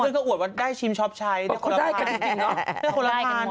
คุณก็อวดว่าได้ชิมช็อปใช้ได้คนละพัน